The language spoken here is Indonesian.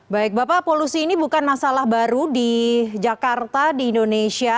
baik bapak polusi ini bukan masalah baru di jakarta di indonesia